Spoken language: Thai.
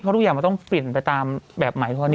เพราะทุกอย่างต้องเปลี่ยนตามแบบไม้